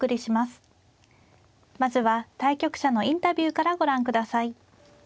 まずは対局者のインタビューからご覧ください。